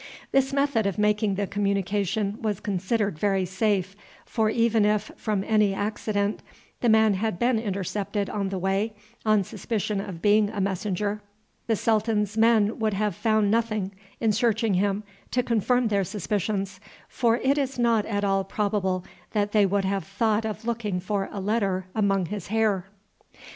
This method of making the communication was considered very safe, for even if, from any accident, the man had been intercepted on the way, on suspicion of his being a messenger, the sultan's men would have found nothing, in searching him, to confirm their suspicions, for it is not at all probable that they would have thought of looking for a letter among his hair.